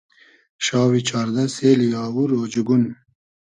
شاوی چاردۂ سېلی آوور اۉجئگون